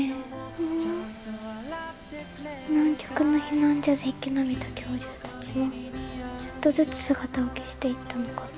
うん南極の避難所で生き延びた恐竜たちもちょっとずつ姿を消していったのかな？